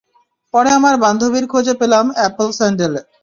পরে আমার বান্ধবীর খোঁজে পেলাম অ্যাপেল স্যান্ডেল।